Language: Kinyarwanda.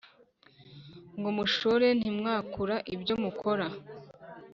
ngo mushore ntimwakura ibyo mukora